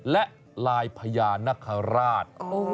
และลายพญานคราช